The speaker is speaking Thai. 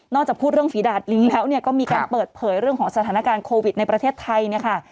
นอกจากพูดเรื่องฝีดาตรีแล้วก็มีการเปิดเผยเรื่องของสถานการณ์โควิดในประเทศไทย